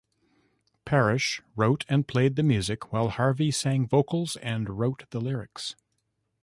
Parish wrote and played the music, while Harvey sang vocals and wrote the lyrics.